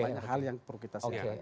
banyak hal yang perlu kita siapkan